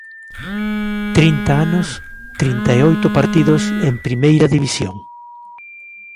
Trinta anos, trinta e oito partidos en Primeira División.